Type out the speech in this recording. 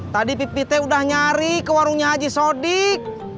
tadi pipit udah nyari ke warungnya haji sodik